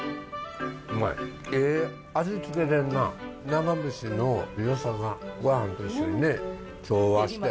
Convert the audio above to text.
生ぶしのよさがごはんと一緒にね調和して。